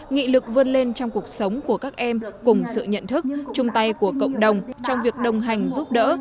nghị lực vươn lên trong cuộc sống của các em cùng sự nhận thức chung tay của cộng đồng trong việc đồng hành giúp đỡ